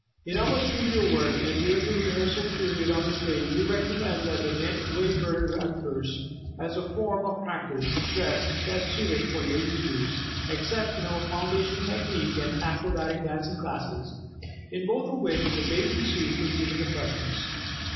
In our studio work and during the rehearsal period on the stage we recommend the Ned Wayburn rompers as a form of practice dress best suited for ladies' use, except in our foundation technique and acrobatic dancing classes, in both of which the bathing suit is given the preference.